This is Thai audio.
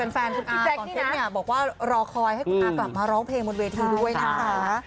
แฟนคุณพี่แจ๊คเนี่ยบอกว่ารอคอยให้คุณอากลับมาร้องเพลงบนเวทีด้วยนะคะ